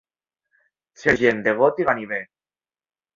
Ser gent de got i ganivet.